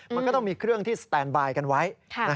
มันก็ต้องมีเครื่องที่สแตนบายกันไว้